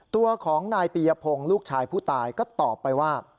ตัวของนายปียพงศ์ลูกชายผู้ตายก็ตอบไปว่า